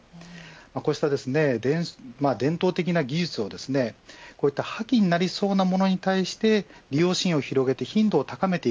こうした伝統的な技術を破棄になりそうなものに対して利用シーンを広げて頻度を高める